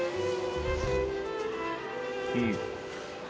うん！